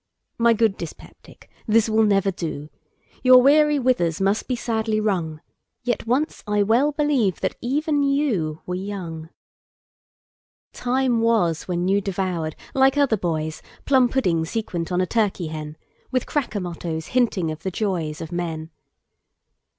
My good dyspeptic, this will never do; Your weary withers must be sadly wrung! Yet once I well believe that even youWere young. Time was when you devoured, like other boys, Plum pudding sequent on a turkey hen; With cracker mottos hinting of the joysOf men.